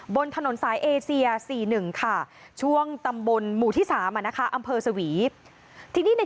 บนถนนซ้ายเอเซีย๔๑ช่วงตำบลหมู่ที่๓อำเภอสวี